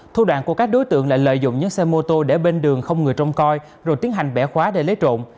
thu đoàn của các đối tượng lại lợi dụng những xe mô tô để bên đường không người trông coi rồi tiến hành bẻ khóa để lấy trộn